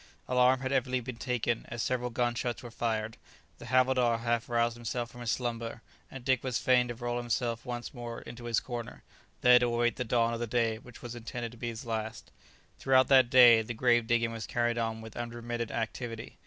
Alarm had evidently been taken, as several gun shots were fired; the havildar half roused himself from his slumber, and Dick was fain to roll himself once more into his corner, there to await the dawn of the day which was intended to be his last. [Illustration: All his energies were restored.] Throughout that day, the grave digging was carried on with unremitted activity.